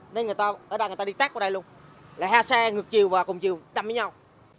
nên người ta đi tác qua đây luôn lại ha xe ngược chiều và cùng chiều đâm với nhau